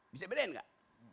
bisa bedain nggak